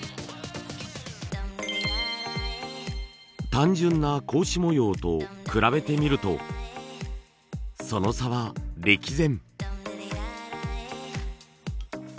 単純な格子模様と比べてみるとその差は歴然。